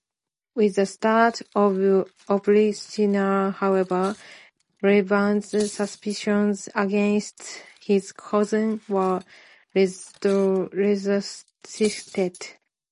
With the start of Oprichnina, however, Ivan's suspicions against his cousin were resuscitated.